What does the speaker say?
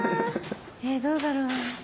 えどうだろう。